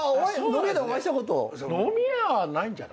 飲み屋はないんじゃない？